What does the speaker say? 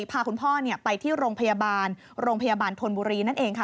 พาคุณพ่อไปที่โรงพยาบาลโรงพยาบาลธนบุรีนั่นเองค่ะ